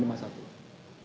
ijin menjelaskan ya mulia